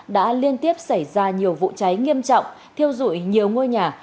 đã liên tiếp xảy ra nhiều vụ cháy nghiêm trọng thiêu dụi nhiều ngôi nhà